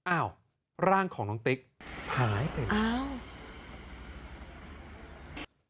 อ้าวร่างของน้องติ๊กหายไปอ้าว